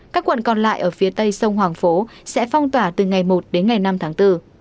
các quận còn lại ở phía tây sông hoàng phố sẽ phong tỏa từ ngày một đến ngày năm tháng bốn